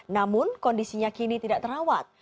namun kondisinya kini tidak terawat